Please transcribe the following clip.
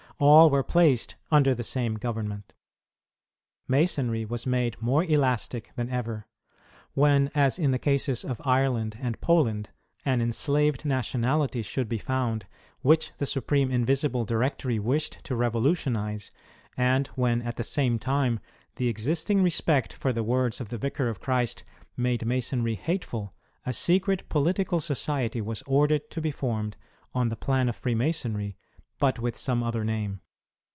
All were placed under the same government. Masonry was made more elastic than ever. When, as in the cases of Ireland and Poland, an enslaved national ity should be found, which the supreme Invisible Directory wished to revolutionize, and when, at the same time, the existing respect for the words of the Vicar of Christ made Masonry hateful, a secret political society was ordered to be formed on the plan of Free masonry, but with some other name.